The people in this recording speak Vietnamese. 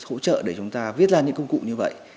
hỗ trợ để chúng ta viết ra những công cụ như vậy